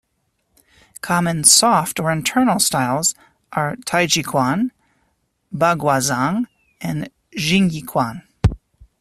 Common "soft" or internal styles are Taijiquan, Baguazhang and Xingyiquan.